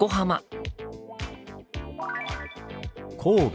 「神戸」。